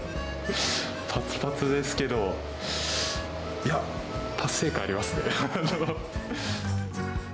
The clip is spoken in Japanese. ぱつぱつですけど、いや、達成感ありますね。